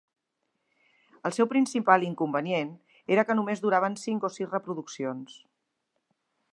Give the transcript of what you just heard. El seu principal inconvenient era que només duraven cinc o sis reproduccions.